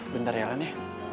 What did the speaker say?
bentar ya lan ya